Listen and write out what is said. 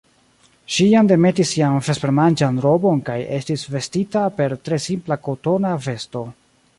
Ŝi jam demetis sian vespermanĝan robon kaj estis vestita per tre simpla kotona vesto.